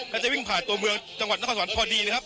แล้วจะวิ่งผ่าหมวงจังหวัดนครอสรรคมพอดีนะครับ